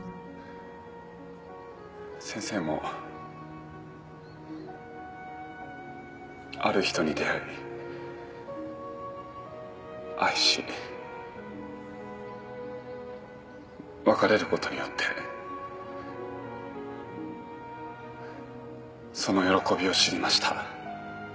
先生もある人に出会い愛し別れることによってその喜びを知りました。